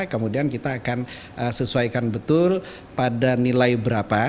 kemudian kita akan sesuaikan betul pada nilai berapa